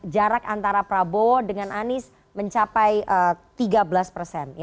jarak antara prabowo dengan anies mencapai tiga belas persen